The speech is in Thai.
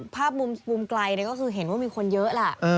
ภาพมุมไกลก็คือเห็นว่ามีคนเยอะแหละ